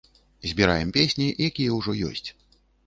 Збіраем песні, якія ўжо ёсць.